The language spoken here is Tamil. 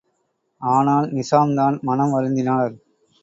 ஆனால் நிசாம்தான் மனம் வருந்தினார்!